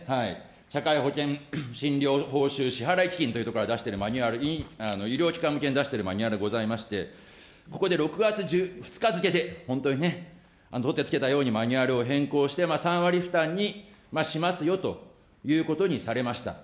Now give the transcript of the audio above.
社会保険診療報酬支払基金というところから出しているマニュアルに、医療機関向けに出してるマニュアルございまして、ここで６月２日付で本当にね、とってつけたようにマニュアルを変更して、３割負担にしますよということにされました。